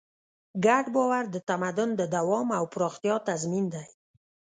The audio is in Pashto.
ګډ باور د تمدن د دوام او پراختیا تضمین دی.